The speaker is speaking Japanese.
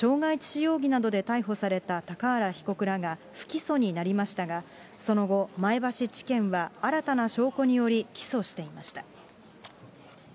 この事件では当初、傷害致死容疑などで逮捕された高原被告らが不起訴になりましたが、その後、前橋地検は新たな証拠により、起訴していました。